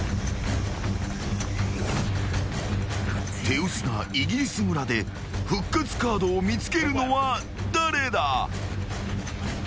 ［手薄なイギリス村で復活カードを見つけるのは誰だ？］